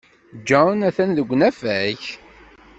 John atan deg unafag.